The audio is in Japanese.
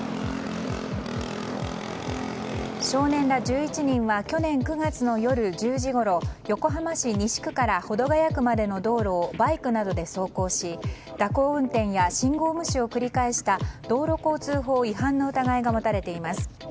少年ら１１人は去年９月の夜１０時ごろ横浜市西区から保土ケ谷区までの道路をバイクなどで走行し、蛇行運転や信号無視を繰り返した道路交通法違反の疑いが持たれています。